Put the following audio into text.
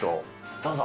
どうぞ。